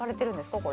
これ。